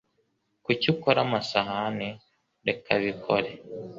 Kuki ukora amasahani? Reka abikore.